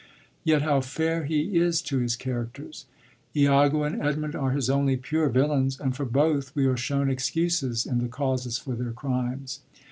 Tet how fair he is to his characters ! lago and Edmund are his only pure villains; and for both we are shown excuses in the causes for their crimes.